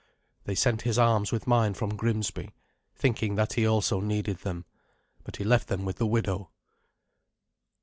They sent his arms with mine from Grimsby, thinking that he also needed them; but he left them with the widow.